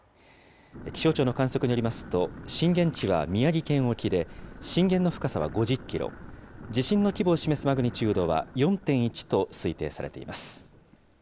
気象庁の観測によりますと、震源地は宮城県沖で、震源の深さは５０キロ、地震の規模を示すマグニチュードは４．１と推定されています。